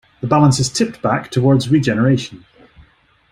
The balance is tipped back towards regeneration.